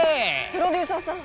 プロデューサーさん。